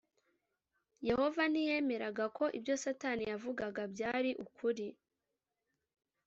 Yehova ntiyemeraga ko ibyo satani yavugaga byari ukuri